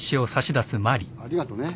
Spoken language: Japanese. ありがとね。